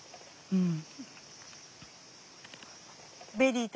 うん。